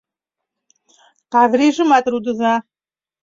Каврийжымат рудыза.